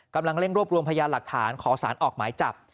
กำลังเร่งรวบรวมพยานหลักฐานขอสารออกหมายจับ